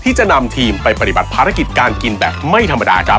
ที่จะนำทีมไปปฏิบัติภารกิจการกินแบบไม่ธรรมดาครับ